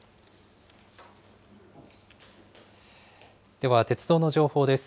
では鉄道の情報です。